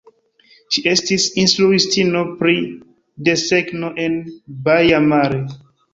Ŝi estis instruistino pri desegno en Baia Mare.